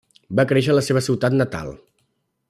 Va créixer a la seva ciutat natal.